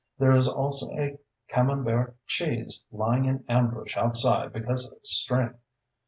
There is also a camembert cheese lying in ambush outside because of its strength.